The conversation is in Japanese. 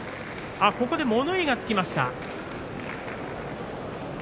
ここで物言いがつきました。